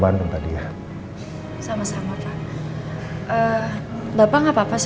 waktunya bukan yang tepat